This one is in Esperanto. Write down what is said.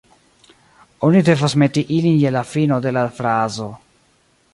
Oni devas meti ilin je la fino de la frazo